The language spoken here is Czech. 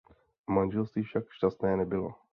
Manželství však šťastné nebylo.